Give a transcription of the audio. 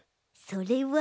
それは。